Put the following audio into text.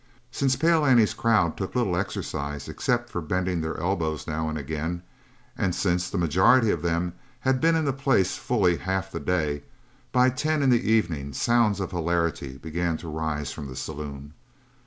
Since Pale Annie's crowd took little exercise except for bending their elbows now and again, and since the majority of them had been in the place fully half the day, by ten in the evening sounds of hilarity began to rise from the saloon.